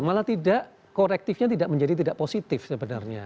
malah tidak korektifnya tidak menjadi tidak positif sebenarnya